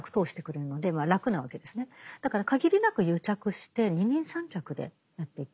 だから限りなく癒着して二人三脚でやっていく。